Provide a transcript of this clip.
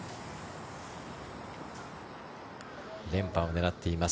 連覇を狙っています。